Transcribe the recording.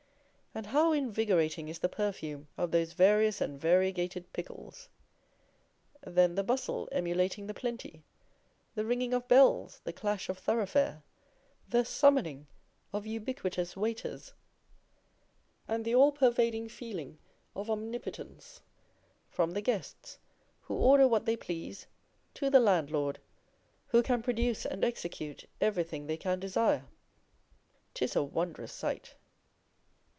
And how invigorating is the perfume of those various and variegated pickles! Then the bustle emulating the plenty; the ringing of bells, the clash of thoroughfare, the summoning of ubiquitous waiters, and the all pervading feeling of omnipotence, from the guests, who order what they please, to the landlord, who can produce and execute everything they can desire. 'Tis a wondrous sight.